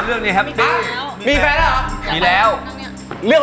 เลือกคนอื่น